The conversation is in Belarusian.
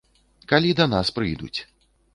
Калі да нас прыйдуць.